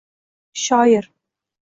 Shoir